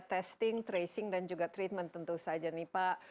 testing tracing dan juga treatment tentu saja nih pak